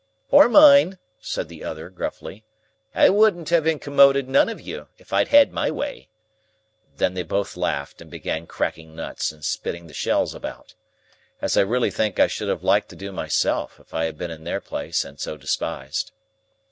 "Or mine," said the other, gruffly. "I wouldn't have incommoded none of you, if I'd had my way." Then they both laughed, and began cracking nuts, and spitting the shells about.—As I really think I should have liked to do myself, if I had been in their place and so despised.